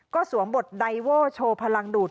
ก็สวมบทไดโว่โชว์พลังดูด